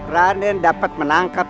raden dapat menangkap